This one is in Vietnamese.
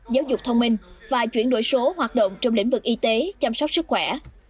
giáo dục thông minh và chuyển đổi số hoạt động trong lĩnh vực y tế chăm sóc sức khỏe